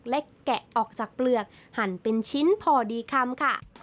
และแกะออกจากเปลือกหั่นเป็นชิ้นพอดีคำค่ะ